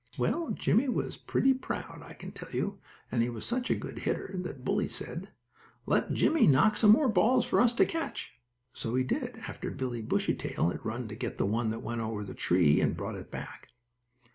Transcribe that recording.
Well, Jimmie was pretty proud, I can tell you, and he was such a good hitter that Bully said: "Let Jimmie knock some more balls for us to catch." So he did, after Billie Bushytail had run to get the one that went over the tree, and brought it back.